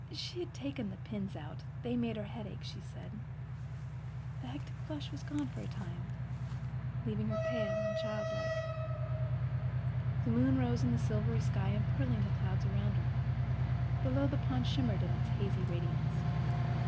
She had taken the pins out—they made her head ache, she said. The hectic flush was gone for the time, leaving her pale and childlike. The moon rose in the silvery sky, empearling the clouds around her. Below, the pond shimmered in its hazy radiance.